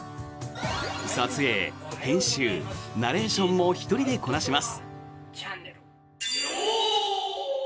撮影、編集、ナレーションも１人でこなします。